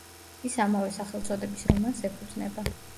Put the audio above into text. ის ამავე სახელწოდების რომანს ეფუძნება.